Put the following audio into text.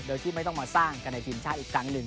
โดยที่ไม่ต้องมาสร้างกันในทีมชาติอีกครั้งหนึ่ง